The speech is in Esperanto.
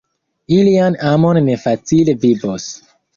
Ilian amon ne facile vivos.